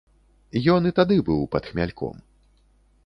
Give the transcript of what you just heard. Ён і тады быў пад хмяльком.